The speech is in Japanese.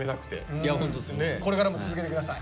これからも続けて下さい。